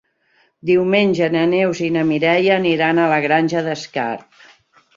Diumenge na Neus i na Mireia aniran a la Granja d'Escarp.